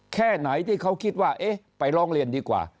แค่ไหนที่เขาคิดว่าเอ๊ะไปร้องเรียนดีกว่า